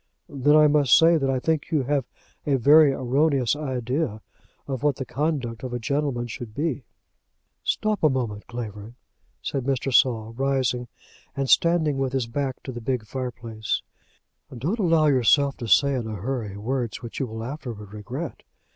"Then I must say that I think you have a very erroneous idea of what the conduct of a gentleman should be." "Stop a moment, Clavering," said Mr. Saul, rising, and standing with his back to the big fireplace. "Don't allow yourself to say in a hurry words which you will afterwards regret.